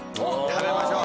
食べましょう。